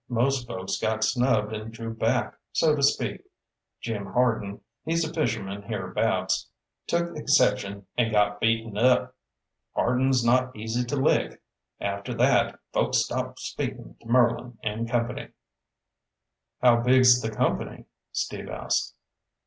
Most folks got snubbed and drew back, so to speak. Jim Hardin he's a fisherman hereabouts took exception and got beaten up. Hardin's not easy to lick. After that, folks stopped speakin' to Merlin and company." "How big's the company?" Steve asked.